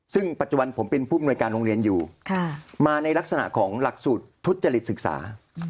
ซึ่งปัจจุบันผมเป็นผู้มนวยการโรงเรียนอยู่มาในลักษณะของหลักสูตรทุจริตศึกษา